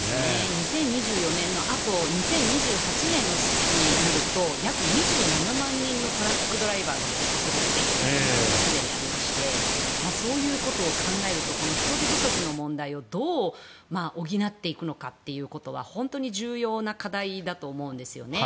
２０２４年のあと２０２８年になると約２７万人のトラックドライバーが不足するという研究がすでにありましてそういうことを考えるとこの人手不足の問題をどう補っていくのかということは本当に重要な課題だと思うんですね。